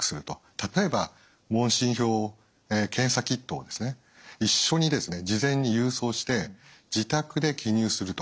例えば問診票検査キットを一緒に事前に郵送して自宅で記入すると。